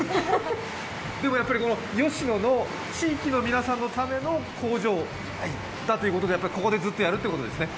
でも吉野の地域の皆さんのための工場ということでここでずっとやるっていうことですね。